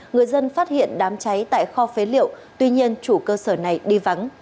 người dân phát hiện đám cháy tại kho phế liệu tuy nhiên chủ cơ sở này đi vắng